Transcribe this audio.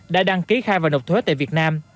đã đăng ký khai và nộp thuế tại việt nam